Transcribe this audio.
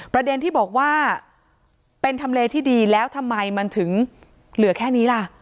ประเด็นที่บอกว่าเป็นทำเลที่ดีแล้วทำไมมันถึงเหลือแค่นี้ล่ะ